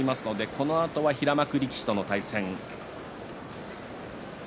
このあとは平幕力士との対戦になります。